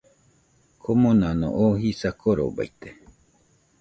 Komonano oo jisa korobaite